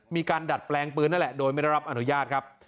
มีการดัดแปลงปืนนั่นแหละโดยไม่ได้รับอนุญาตครับ